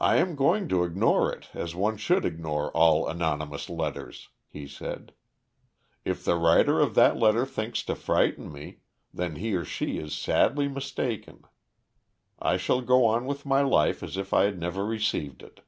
"I am going to ignore it, as one should ignore all anonymous letters," he said. "If the writer of that letter thinks to frighten me, then he or she is sadly mistaken. I shall go on with my life as if I had never received it."